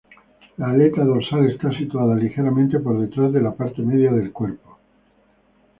La aleta dorsal está situada ligeramente por detrás de la parte media del cuerpo.